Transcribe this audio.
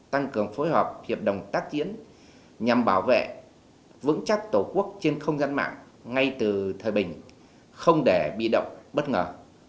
tăng cường phối hợp hiệp đồng tác chiến nhằm bảo vệ vững chắc tổ quốc trên không gian mạng ngay từ thời bình không để bị động bất ngờ